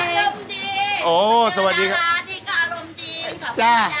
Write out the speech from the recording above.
มันอาหารดีกว่าอารมณ์จริงขอบคุณค่ะ